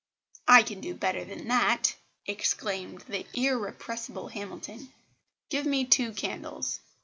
"I can do better than that," exclaimed the irrepressible Hamilton. "Give me two candles."